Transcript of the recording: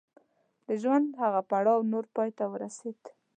د ژوند هغه پړاو نور پای ته ورسېد.